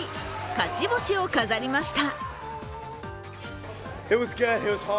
勝ち星を飾りました。